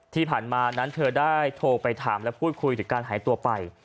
ที่ผ่านมานั้นเธอได้โทรไปถามและพูดคุยถึงการหายตัวไป